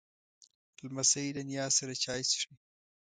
لمسی له نیا سره چای څښي.